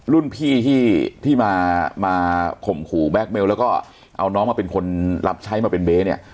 รุ่นพี่ที่มาข่มขู่แก๊กเมลแล้วก็เอาน้องมาเป็นคนรับใช้มาเป็นเบ๊เนี่ย